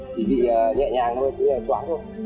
chỉ bị nhẹ nhàng thôi cũng như là chóng thôi